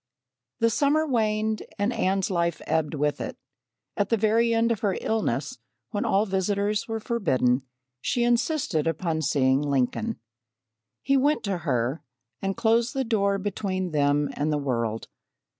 The summer waned and Anne's life ebbed with it. At the very end of her illness, when all visitors were forbidden, she insisted upon seeing Lincoln. He went to her and closed the door between them and the world.